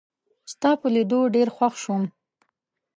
ستا په لیدو ډېر خوښ شوم